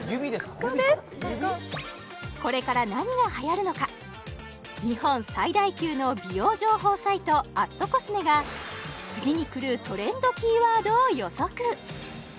こここれから何が流行るのか日本最大級の美容情報サイト＠ｃｏｓｍｅが次に来るトレンドキーワードを予測